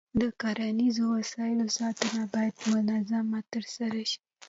د کرنیزو وسایلو ساتنه باید منظم ترسره شي.